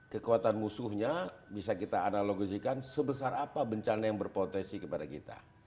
kekuatan musuhnya bisa kita analogisikan sebesar apa bencana yang berpotensi kepada kita